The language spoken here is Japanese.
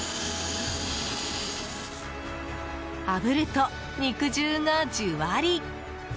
あぶると、肉汁がじゅわり！